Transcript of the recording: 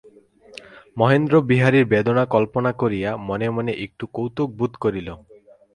মহেন্দ্র বিহারীর বেদনা কল্পনা করিয়া মনে মনে একটু কৌতুকবোধ করিল।